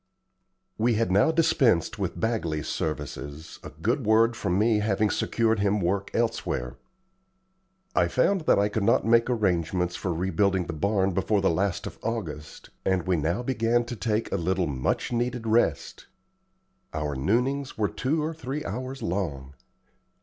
We had now dispensed with Bagley's services, a good word from me having secured him work elsewhere. I found that I could not make arrangements for rebuilding the barn before the last of August, and we now began to take a little much needed rest. Our noonings were two or three hours long.